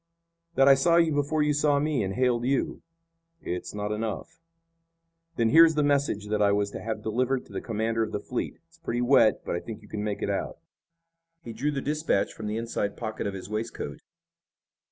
"That I saw you before you saw me and hailed you." "It's not enough." "Then here is the message that I was to have delivered to the commander of the fleet. It's pretty wet, but I think you can make it out." He drew the dispatch from the inside pocket of his waistcoat.